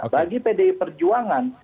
bagi pdi perjuangan